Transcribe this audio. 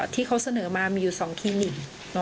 ที่เขาเสนอมามีอยู่๒คลินิก